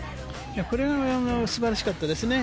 これが素晴らしかったですね